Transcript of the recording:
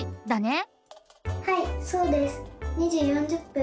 はいそうです。